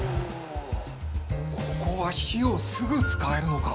ここは火をすぐ使えるのか。